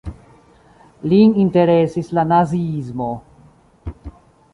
Lin interesis la Naziismo.